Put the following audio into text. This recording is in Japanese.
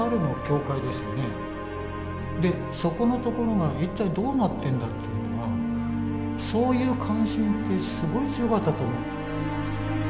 でそこのところが一体どうなってんだっていうのはそういう関心ってすごい強かったと思う。